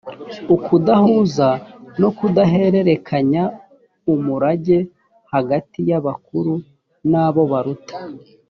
ukudahuza no kudahererekanya umurage hagati y abakuru n abo baruta